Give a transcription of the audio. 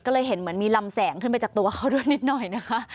ก็เลยเห็นเหมือนมีลำแสงขึ้นไปจากตัวเขาด้วยนิดหน่อยนะคะ